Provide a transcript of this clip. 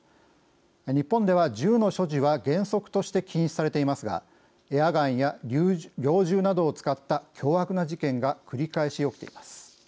日本では銃の所持は原則として禁止されていますがエアガンや猟銃などを使った凶悪な事件が繰り返し起きています。